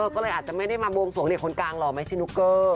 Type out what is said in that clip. ก็เลยไม่ได้มาโบงส่งเด็กคนกลางหล่อไหมเชียนุเกอร์